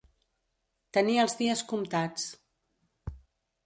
Tenir els dies comptats.